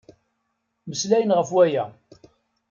Mmeslayen ɣe waya.